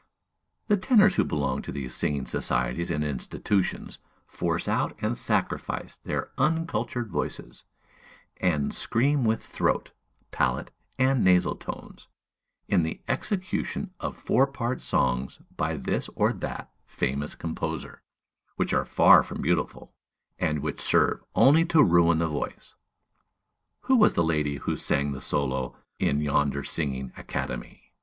The tenors who belong to these singing societies and institutions force out and sacrifice their uncultured voices, and scream with throat, palate, and nasal tones, in the execution of four part songs by this or that famous composer, which are far from beautiful, and which serve only to ruin the voice. Who was the lady who sang the solo in yonder singing academy?